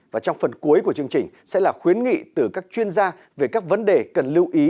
và trong phần cuối của chương trình sẽ là khuyến nghị từ các chuyên gia về các vấn đề cần lưu ý